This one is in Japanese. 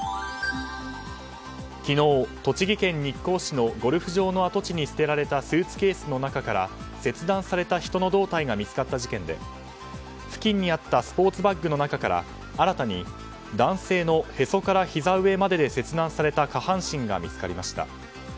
昨日、栃木県日光市のゴルフ場の跡地に捨てられたスーツケースの中から切断された人の胴体が見つかった事件で付近にあったスポーツバッグの中から新たに男性のへそからひざ上までで切断された下半身が見つかりました。